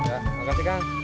ya makasih kang